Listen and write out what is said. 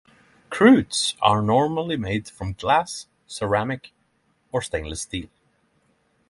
Cruets are normally made from glass, ceramic, or stainless steel.